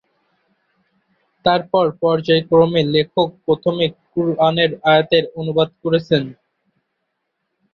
তারপর পর্যায়ক্রমে লেখক প্রথমে কুরআনের আয়াতের অনুবাদ করেছেন।